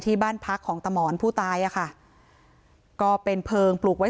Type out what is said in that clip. ที่บ้านพักของตหมอนผู้ตายอ่ะค่ะก็เป็นเพลิงปลูกไว้